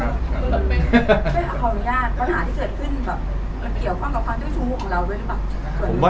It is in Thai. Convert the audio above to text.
เป็นภาพภาพหนุญญาณปัญหาที่เกิดขึ้นมันเกี่ยวข้องกับความชุดชู้ของเราด้วยหรือเปล่า